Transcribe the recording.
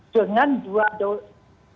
dengan dua dosis